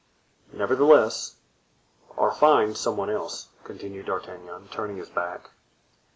"Nevertheless——" "Or find some one else," continued D'Artagnan, turning his back.